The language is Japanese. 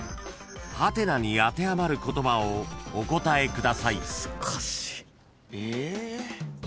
［？に当てはまる言葉をお答えください］